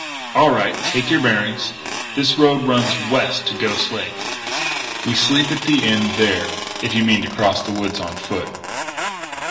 "All right. Take your bearings. This road runs west to Ghost Lake. We sleep at the Inn there if you mean to cross the woods on foot."